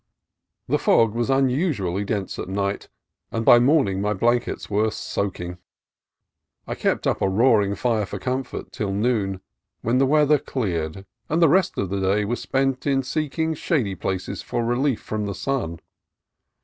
The fog was unusually dense at night, and by morning my blankets were soaking. I kept up a roaring fire for comfort till noon, when the weather cleared, and the rest of the day was spent in seeking shady places for relief from the sun.